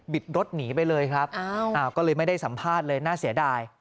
รถหนีไปเลยครับก็เลยไม่ได้สัมภาษณ์เลยน่าเสียดาย